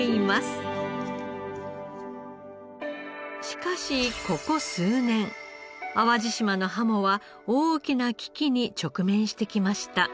しかしここ数年淡路島のハモは大きな危機に直面してきました。